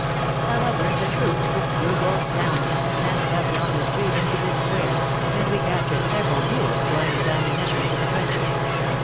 However, the troops, with bugles sounding, advanced up yonder street into this square, and we captured several mules going with ammunition to the trenches.